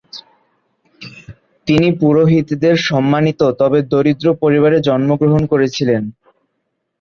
তিনি পুরোহিতদের সম্মানিত, তবে দরিদ্র পরিবারে জন্মগ্রহণ করেছিলেন।